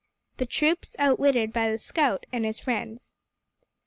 THE TROOPS OUTWITTED BY THE SCOUT AND HIS FRIENDS.